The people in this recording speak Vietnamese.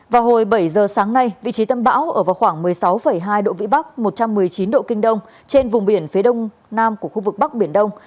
vào hồi bảy giờ sáng nay vị trí tâm bão ở vào khoảng một mươi sáu hai độ vĩ bắc một trăm một mươi chín độ kinh đông trên vùng biển phía đông nam của khu vực bắc biển đông